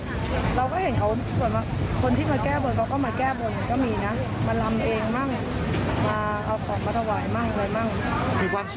ถ้าถามสำหรับตัวเราอยู่ตรงนี้เนอะ